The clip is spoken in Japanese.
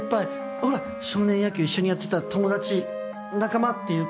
ほら少年野球一緒にやってた友達仲間っていうか。